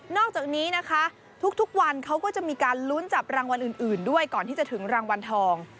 อกจากนี้นะคะทุกวันเขาก็จะมีการลุ้นจับรางวัลอื่นด้วยก่อนที่จะถึงรางวัลทอง